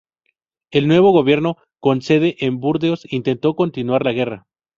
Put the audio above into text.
El nuevo gobierno, con sede en Burdeos, intentó continuar la guerra.